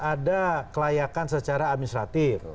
ada kelayakan secara administratif